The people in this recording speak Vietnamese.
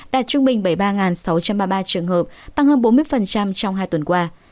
đạt trung bình bảy mươi ba sáu trăm ba mươi ba trường hợp tăng hơn bốn mươi trong hai tuần qua